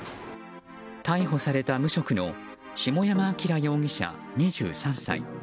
逮捕された無職の下山晃容疑者、２３歳。